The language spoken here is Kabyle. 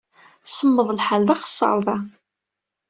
Semmeḍ lḥal d axeṣṣar da!